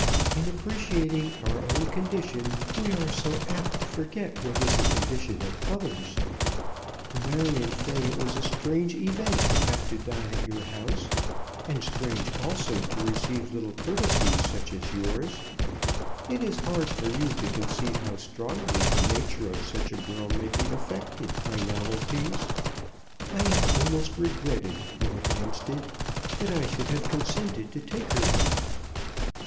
In appreciating our own condition we are so apt to forget what is the condition of others! To Marion Fay it was a strange event to have to dine at your house, and strange also to receive little courtesies such as yours. It is hard for you to conceive how strongly the nature of such a girl may be effected by novelties. I have almost regretted, Lord Hampstead, that I should have consented to take her there."